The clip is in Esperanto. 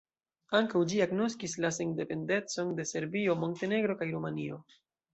Ankaŭ ĝi agnoskis la sendependecon de Serbio, Montenegro kaj Rumanio.